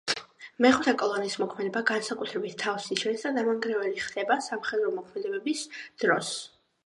მეხუთე კოლონის მოქმედება განსაკუთრებით თავს იჩენს და დამანგრეველი ხდება სამხედრო მოქმედებების დროს.